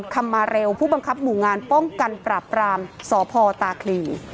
คำมาเร็วผู้บังคับหมู่งานป้องกันปราบรามสพตาคลี